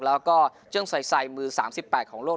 แล้วก็เจิ่มใส่มือ๓๘ของโลก